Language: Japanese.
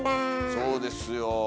そうですよ。